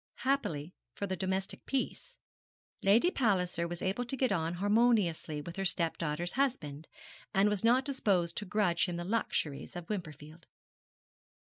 Happily for the domestic peace, Lady Palliser was able to get on harmoniously with her stepdaughter's husband, and was not disposed to grudge him the luxuries of Wimperfield.